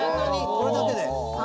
これだけで。